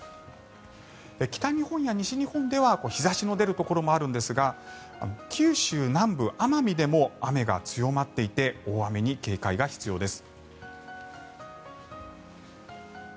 北日本や西日本では日差しの出るところもあるんですが九州南部、奄美でも雨が強まっていて大雨に警戒が必要です。